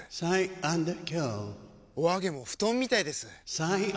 お揚げも布団みたいです！